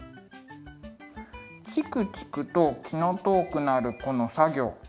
チクチクと気の遠くなるこの作業。